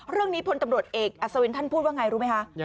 เรื่องนี้พลตำรวจเอกอัศวินทร์ท่านพูดว่าอย่างไรรู้ไหมคะ